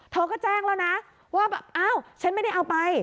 เธอก็แจ้งแล้วนะว่าแบบอ้าวฉันไม่ได้เอาไป